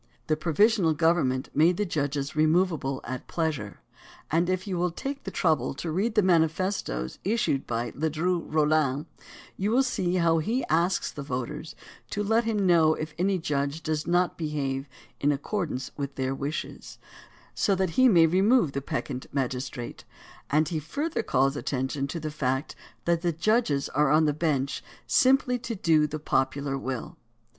The provisional government made the judges removable at pleasure, and if you will take the trouble to read the manifestoes issued by Ledru RoUin you will see how he asks the voters to let him know if any judge does not behave in accord ance with their wishes, so that he may remove the peccant magistrate, and he further calls attention to the fact that the judges are on the bench simply to do the popular will.